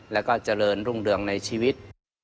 แล้วก็เจริญรุ่งเรืองในชีวิต